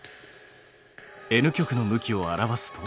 Ｎ極の向きを表すと。